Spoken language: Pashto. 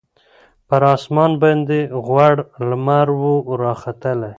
پر اسمان باندي غوړ لمر وو راختلی